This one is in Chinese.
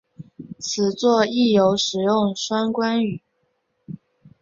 此作亦有使用双关语。